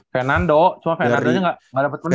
fernando cuma fernando nya gak dapat menit